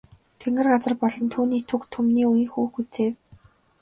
Тэнгэр газар болон түүний түг түмнийг ийнхүү гүйцээв.